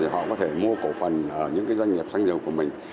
họ có thể mua cổ phần ở những doanh nghiệp xăng dầu của mình